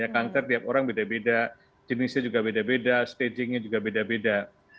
kanker tiap orang beda beda jenisnya juga beda beda stagingnya juga beda beda